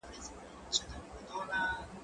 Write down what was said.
زه ځواب ليکلی دی؟!